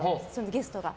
ゲストが。